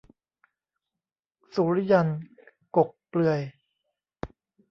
สุริยันต์ กกเปลือย